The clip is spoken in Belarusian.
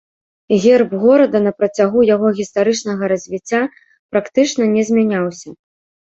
Герб горада на працягу яго гістарычнага развіцця практычна не змяняўся.